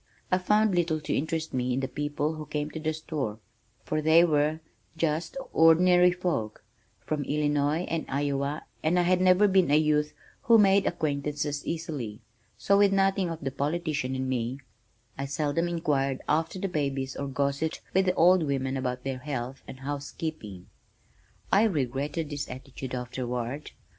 I found little to interest me in the people who came to the store for they were "just ordinary folk" from Illinois, and Iowa, and I had never been a youth who made acquaintances easily, so with nothing of the politician in me, I seldom inquired after the babies or gossiped with the old women about their health and housekeeping. I regretted this attitude afterward.